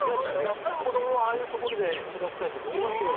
やっぱり子どもはああいう所で育てたいと思いますよ